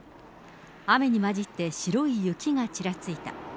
雨に交じって白い雪がちらついた。